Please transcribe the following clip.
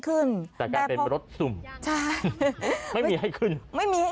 คือถ้างั้นจะไม่จงเผื่ออะไรคือหนูไม่เข้าใจตรงนี้เฉย